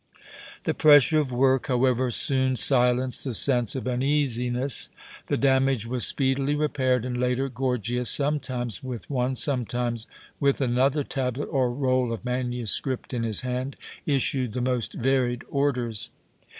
The pressure of work, however, soon silenced the sense of uneasiness. The damage was speedily repaired, and later Gorgias, sometimes with one, sometimes with another tablet or roll of MS. in his hand, issued the most varied orders.